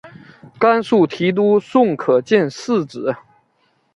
甘肃提督宋可进嗣子。